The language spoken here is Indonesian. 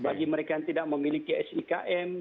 jadi mereka yang tidak memiliki sikm